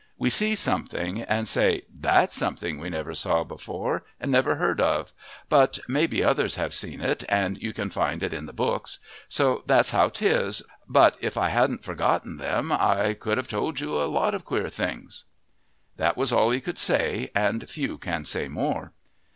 We see something and say That's something we never saw before and never heard tell of, but maybe others have seen it and you can find it in the books. So that's how 'tis, but if I hadn't forgotten them I could have told you a lot of queer things." That was all he could say, and few can say more.